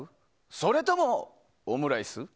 それともオムライス？